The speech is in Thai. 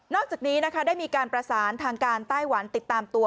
อกจากนี้นะคะได้มีการประสานทางการไต้หวันติดตามตัว